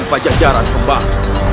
pada jalan kembang